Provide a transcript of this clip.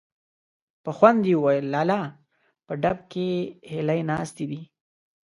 په خوند يې وويل: لالا! په ډب کې هيلۍ ناستې دي.